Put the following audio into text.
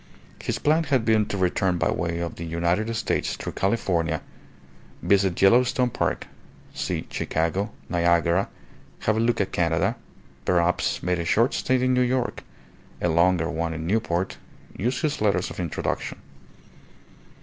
His plan had been to return by way of the United States through California, visit Yellowstone Park, see Chicago, Niagara, have a look at Canada, perhaps make a short stay in New York, a longer one in Newport, use his letters of introduction.